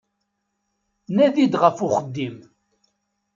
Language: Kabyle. Nadi-d ɣef uxeddim.